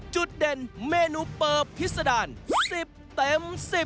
จุดเด่นเมนูเปิบพิษดาร๑๐เต็ม๑๐